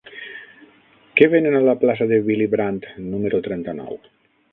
Què venen a la plaça de Willy Brandt número trenta-nou?